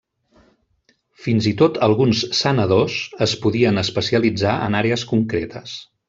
Fins i tot alguns sanadors es podien especialitzar en àrees concretes.